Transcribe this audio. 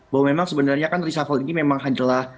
bahwa memang sebenarnya kan reshuffle ini memang adalah